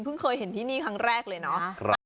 เพิ่งเคยเห็นที่นี่ครั้งแรกเลยเนอะครับ